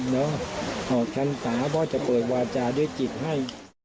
แล้วออกพรรษาพ่อจะเปิดวาจาด้วยจิตให้